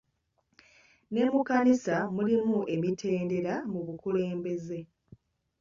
Ne mu kkanisa mulimu emitendera mu bukulembeze.